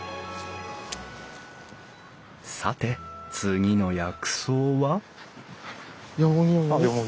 さて次の薬草はヨモギ。